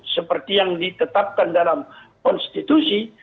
seperti yang ditetapkan dalam konstitusi